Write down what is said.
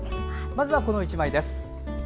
まずは、この１枚です。